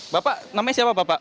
bapak namanya siapa bapak